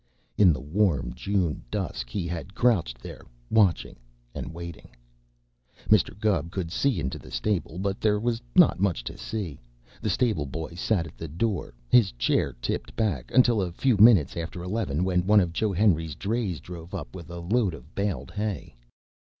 In the warm June dusk he had crouched there, watching and waiting. Mr. Gubb could see into the stable, but there was not much to see. The stable boy sat at the door, his chair tipped back, until a few minutes after eleven, when one of Joe Henry's drays drove up with a load of baled hay.